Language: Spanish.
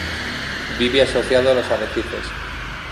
Vive asociado a los arrecifes.